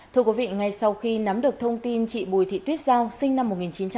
thưa quý vị ngay sau khi nắm được thông tin chị bùi thị tuyết giao sinh năm một nghìn chín trăm tám mươi